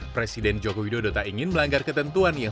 presiden joko widodo tak ingin melanggar ketentuan yang